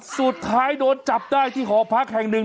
สุดท้ายโดนจับได้ที่หอพักแห่งหนึ่ง